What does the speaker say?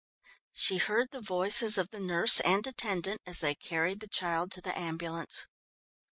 She heard the voices of the nurse and attendant as they carried the child to the ambulance.